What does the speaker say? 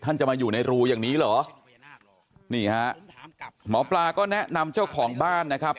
จะมาอยู่ในรูอย่างนี้เหรอนี่ฮะหมอปลาก็แนะนำเจ้าของบ้านนะครับ